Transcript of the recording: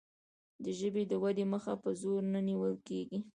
د ژبې د ودې مخه په زور نه نیول کیږي.